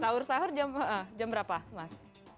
sahur sahur jam berapa mas